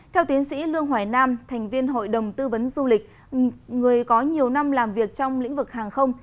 theo tiến sĩ lương hoài nam thành viên hội đồng tư vấn du lịch người có nhiều năm làm việc trong lĩnh vực hàng không